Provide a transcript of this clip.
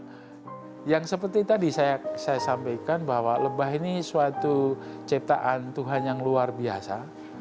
nah yang seperti tadi saya sampaikan bahwa lebah ini suatu ciptaan tuhan yang luar biasa